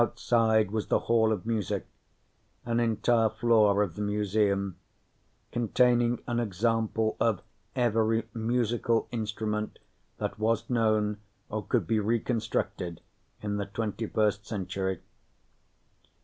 Outside was the Hall of Music, an entire floor of the Museum, containing an example of every musical instrument that was known or could be reconstructed in the 21st century.